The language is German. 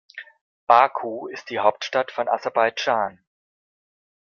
Baku ist die Hauptstadt von Aserbaidschan.